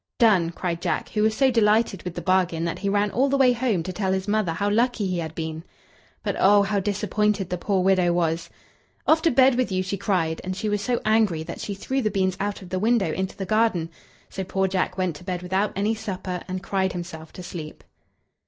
"Done!" cried Jack, who was so delighted with the bargain that he ran all the way home to tell his mother how lucky he had been. But oh! how disappointed the poor widow was. "Off to bed with you!" she cried; and she was so angry that she threw the beans out of the window into the garden. So poor Jack went to bed without any supper, and cried himself to sleep.